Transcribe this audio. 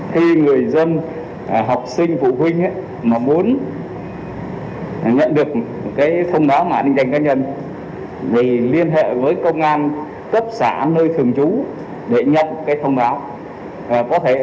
vì liên hệ với công an cấp xã nơi thường trú để nhập cái thông báo